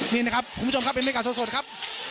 นี่นะครับคุณผู้ชมครับเป็นบรรยากาศสดครับ